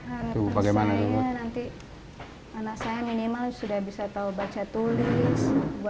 anak anak saya minimal sudah bisa tahu baca tulis